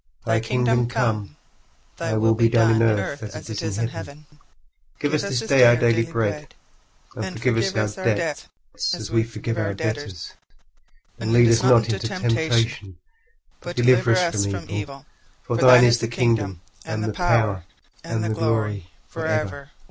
40:006:010 Thy kingdom come, Thy will be done in earth, as it is in heaven. 40:006:011 Give us this day our daily bread. 40:006:012 And forgive us our debts, as we forgive our debtors. 40:006:013 And lead us not into temptation, but deliver us from evil: For thine is the kingdom, and the power, and the glory, for ever.